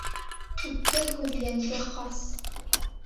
Үткер һүҙ йәнгә хас